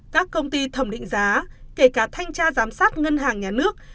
các công ty thẩm định giá kể cả thanh tra giám sát ngân hàng nhà nước